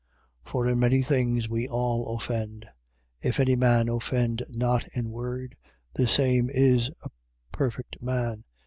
3:2. For in many things we all offend. If any man offend not in word, the same is a perfect man.